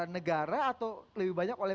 negara atau lebih banyak oleh